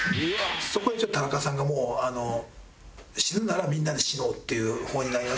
そこでちょっと田中さんがもう「死ぬならみんなで死のう」っていう方になりまして。